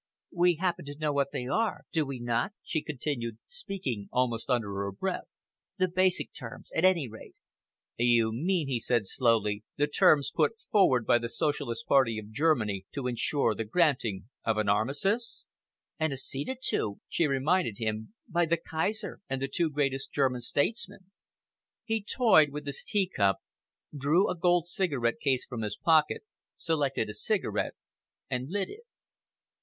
"We happen to know what they are, do we not?" she continued, speaking almost under her breath, "the basic terms, at any rate." "You mean," he said slowly, "the terms put forward by the Socialist Party of Germany to ensure the granting of an armistice?" "And acceded to," she reminded him, "by the Kaiser and the two greatest German statesmen." He toyed with his teacup, drew a gold cigarette case from his pocket, selected a cigarette, and lit it.